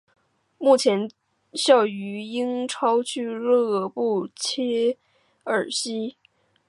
目前效力于英超俱乐部切尔西。